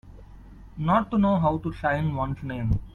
Not to know how to sign one's name.